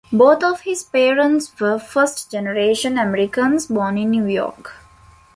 Both of his parents were first-generation Americans born in New York.